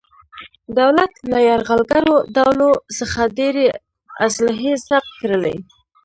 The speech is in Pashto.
دولت له یرغلګرو ډولو څخه ډېرې اصلحې ضبط کړلې.